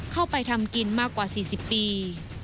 เข้าไปทำกินมากกว่า๔๐ปี